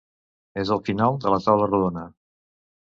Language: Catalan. És el final de la taula rodona.